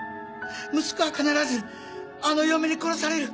息子は必ずあの嫁に殺される。